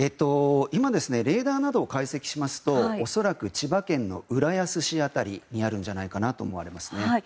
今、レーダーを解析しますと恐らく千葉県の浦安市辺りにあるんじゃないかなと思われます。